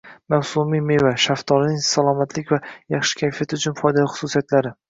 Mavsumiy meva: shaftolining salomatlik va yaxshi kayfiyat uchun foydali xususiyatlari